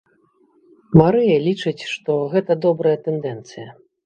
Марыя лічыць, што гэта добрая тэндэнцыя.